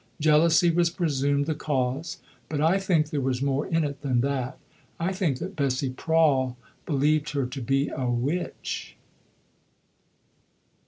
Jealousy was presumed the cause; but I think there was more in it than that. I think that Bessie Prawle believed her to be a witch.